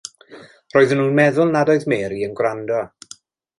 Roedden nhw'n meddwl nad oedd Mary yn gwrando.